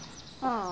ああ。